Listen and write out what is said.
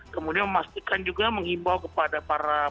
kemudian memastikan juga mengimbau kepada para pemilu